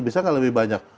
bisa nggak lebih banyak